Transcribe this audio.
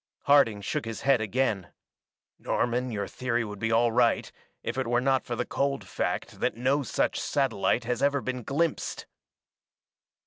Harding shook his head again. "Norman, your theory would be all right if it were not for the cold fact that no such satellite has ever been glimpsed."